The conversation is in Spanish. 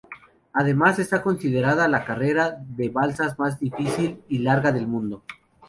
Además, está considerada la carrera de balsas más difícil y larga del mundo.